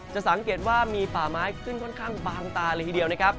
จะสังเกตว่ามีป่าไม้ขึ้นค่อนข้างบางตาเลยทีเดียวนะครับ